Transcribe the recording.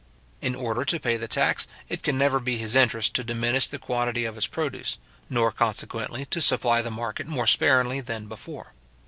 In order to pay the tax, it can never be his interest to diminish the quantity of his produce, nor consequently to supply the market more sparingly than before.